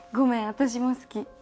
私も好き。